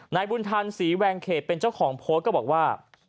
นายบุญธันศรีแวงเขตเป็นเจ้าของโพสต์ก็บอกว่า